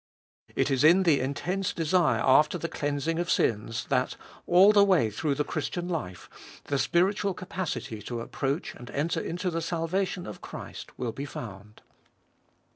It is in the intense desire after the cleansing of sins, that, all the way through the Christian life, the spiritual capacity to approach and enter into the salvation of Christ will be found.